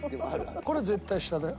これ絶対下だよ。